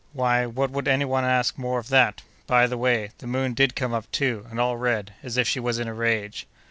Why, what would any one ask more than that? By the way, the moon did come up, too, and all red, as if she was in a rage."